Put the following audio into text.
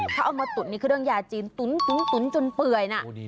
เขาเอามาตุดในเครื่องยาจีนตุ๊นจนเปื่อยนะ